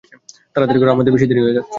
তাড়াতাড়ি কর, আমাদের দেরি হয়ে যাচ্ছে।